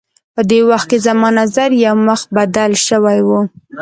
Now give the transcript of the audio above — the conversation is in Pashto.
په دې وخت کې زما نظر یو مخ بدل شوی و.